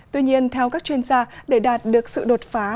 tuy nhiên theo các chuyên gia để đạt được sự đột phá